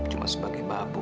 cuma sebagai babu mano